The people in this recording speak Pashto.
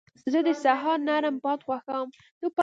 زه د سهار نرم باد خوښوم.